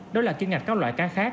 đó là kiên ngạch các loại cá khác